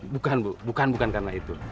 bukan bu bukan bukan karena itu